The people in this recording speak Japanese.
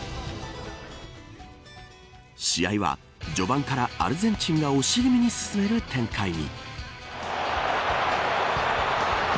試合は序盤からアルゼンチンが押し気味に進める展開に。